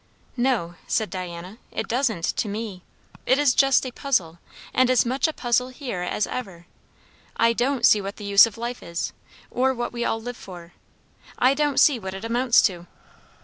"No," said Diana, "it doesn't to me. It is just a puzzle, and as much a puzzle here as ever. I don't see what the use of life is, or what we all live for; I don't see what it amounts to."